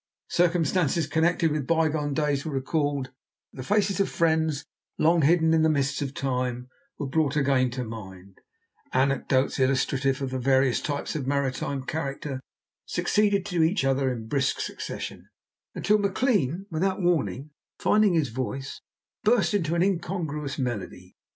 Circumstances connected with bygone days were recalled; the faces of friends long hidden in the mists of time were brought again to mind; anecdotes illustrative of various types of maritime character succeeded to each other in brisk succession, till Maclean, without warning, finding his voice, burst into incongruous melody.